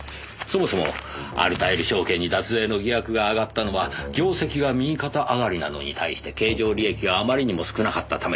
そもそもアルタイル証券に脱税の疑惑が上がったのは業績が右肩上がりなのに対して経常利益があまりにも少なかったためです。